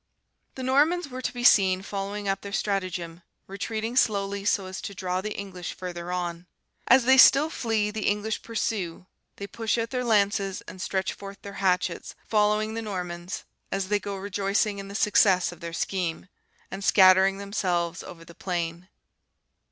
"The Normans were to be seen following up their stratagem, retreating slowly so as to draw the English further on. As they still flee, the English pursue; they push out their lances and stretch forth their hatchets: following the Normans, as they go rejoicing in the success of their scheme, and scattering themselves over the plain.